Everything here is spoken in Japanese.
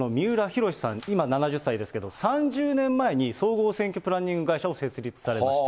この三浦浩さん、今７０歳ですけど、３０年前に総合選挙プランニング会社を設立されました。